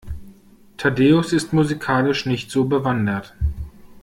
Thaddäus ist musikalisch nicht so bewandert.